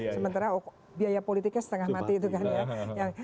sementara biaya politiknya setengah mati itu kan ya